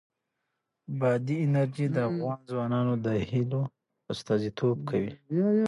بادي انرژي د افغان ځوانانو د هیلو استازیتوب کوي.